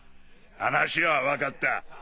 話は分かった。